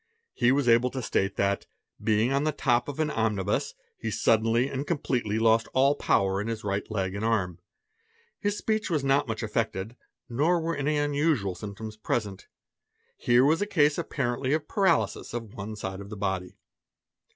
He ~ was able to state that, being on the top of an omnibus, he suddenly and ~ completely lost all power in his right leg and arm. His speech was not ' much affected, nor were any unusual symptoms present. Here was a case apparently of paralysis of one side of the body.